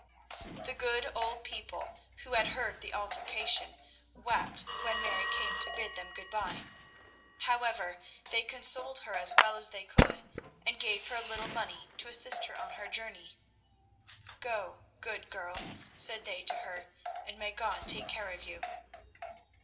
The good old people, who had heard the altercation, wept when Mary came to bid them good bye. However, they consoled her as well as they could, and gave her a little money to assist her on her journey. "Go, good girl," said they to her, "and may God take care of you."